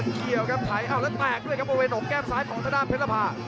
เกี่ยวครับไถอ้าวแล้วแตกด้วยครับบริเวณหนกแก้มซ้ายของทางด้านเพชรภา